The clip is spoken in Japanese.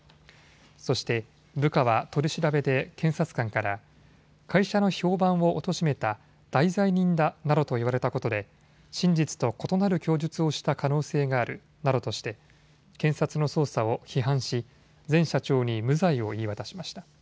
そして部下は取り調べで検察官から会社の評判をおとしめた大罪人だなどと言われたことで真実と異なる供述をした可能性があるなどとして検察の捜査を批判し前社長に無罪を言い渡しました。